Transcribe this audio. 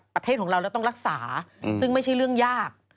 ประเทศของเราแล้วต้องรักษาซึ่งไม่ใช่เรื่องยาก